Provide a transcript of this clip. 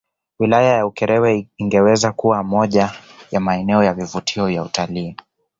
Wilaya ya Ukerewe ingeweza kuwa moja ya maeneo ya vivutio vya utalii